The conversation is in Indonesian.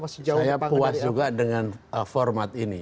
saya puas juga dengan format ini